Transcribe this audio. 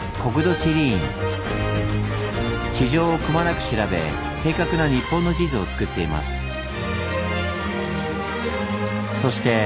地上をくまなく調べ正確な日本の地図を作っています。